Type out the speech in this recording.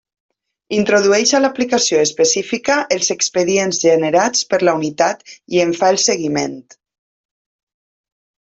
Introdueix a l'aplicació específica els expedients generats per la unitat i en fa el seguiment.